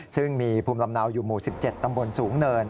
ซึ่งมีภูมิลำเนาอยู่หมู่๑๗ตำบลสูงเนิน